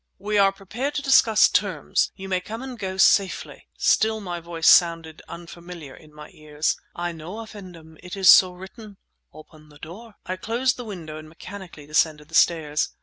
"We are prepared to discuss terms. You may come and go safely"—still my voice sounded unfamiliar in my ears. "I know, effendim; it is so written. Open the door." I closed the window and mechanically descended the stairs.